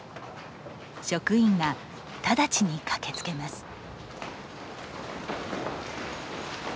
職員がただちに駆けつけます。